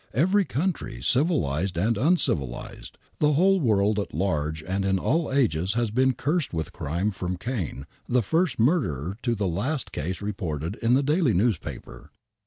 Every country, civil ized and uncwilized, the whole world at large and in all ages has been cursed with crime from Cain the first rfiurderer to the last case reported in the daHv newspaper.